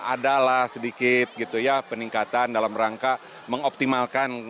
ada lah sedikit peningkatan dalam rangka mengoptimalkan